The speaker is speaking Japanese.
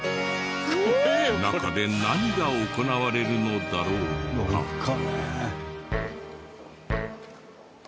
中で何が行われるのだろうか？